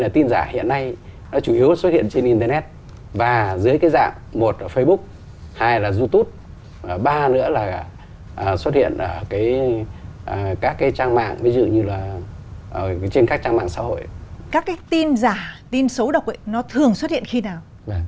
thường xuất hiện khi nào